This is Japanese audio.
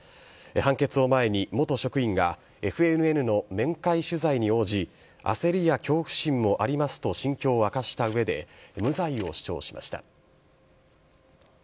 判決を前に、元職員がＦＮＮの面会取材に応じ、焦りや恐怖心もありますと、心境を明かしたうえで、無罪を主張しました。